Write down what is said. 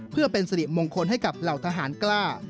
เพื่อเป็นสิริมงคลให้กับเหล่าทหารกล้า